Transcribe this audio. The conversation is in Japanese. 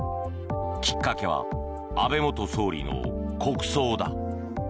きっかけは安倍元総理の国葬だ。